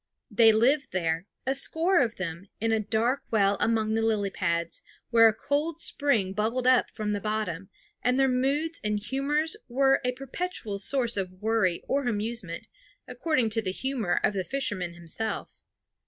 They lived there, a score of them, in a dark well among the lily pads, where a cold spring bubbled up from the bottom; and their moods and humors were a perpetual source of worry or amusement, according to the humor of the fisherman himself.